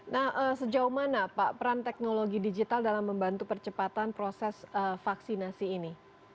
nah sejauh mana pak peran teknologi digital dalam membantu percepatan proses vaksinasi ini